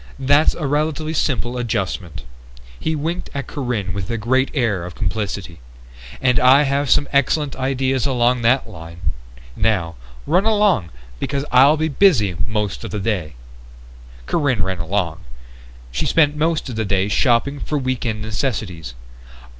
That's a relatively simple adjustment." He winked at Corinne with a great air of complicity. "And I have some excellent ideas along that line. Now, run along, because I'll be busy most of the day." Corinne ran along. She spent most of the day shopping for week end necessities.